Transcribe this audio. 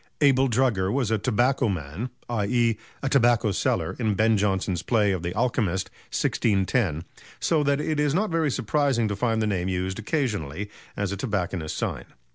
Abel Drugger was a "tobacco man," i.e. a tobacco seller in Ben Jonson's play of "The Alchemist," 1610, so that it is not very surprising to find the name used occasionally as a tobacconist's sign.